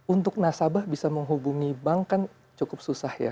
untuk nasabah bisa menghubungi bank kan cukup susah ya